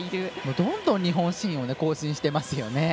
どんどん日本新を更新してますね。